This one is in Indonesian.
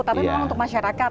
tapi memang untuk masyarakat